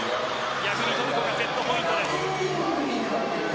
逆にトルコにセットポイントです。